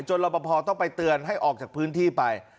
รับประพอต้องไปเตือนให้ออกจากพื้นที่ไป